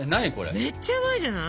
めっちゃうまいじゃない！